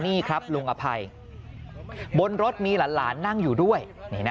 นี่ครับลุงอภัยบนรถมีหลานนั่งอยู่ด้วย